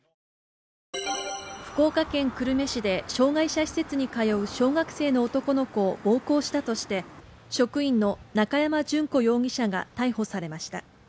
福岡県久留米市で障害者施設に通う小学生の男の子を暴行したとして、職員の中山淳子容疑者が逮捕されました。